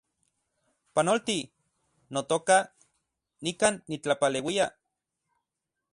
Panolti, notoka, nikan nitlapaleuia